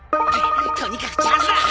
とにかくチャンスだ！